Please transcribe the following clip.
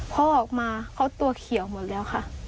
พอออกมาเขาตัวเขียวหมดแล้วค่ะ